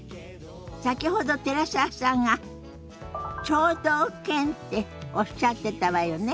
先ほど寺澤さんが聴導犬っておっしゃってたわよね。